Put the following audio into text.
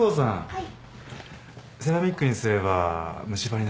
はい。